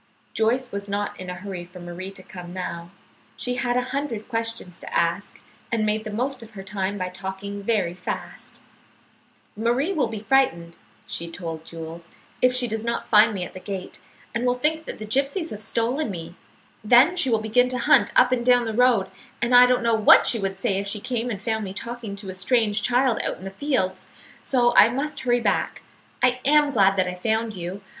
Joyce was not in a hurry for Marie to come now. She had a hundred questions to ask, and made the most of her time by talking very fast. "Marie will be frightened," she told Jules, "if she does not find me at the gate, and will think that the gypsies have stolen me. Then she will begin to hunt up and down the road, and I don't know what she would say if she came and found me talking to a strange child out in the fields, so I must hurry back. I am glad that I found you.